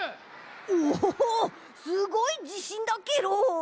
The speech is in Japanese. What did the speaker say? おすごいじしんだケロ。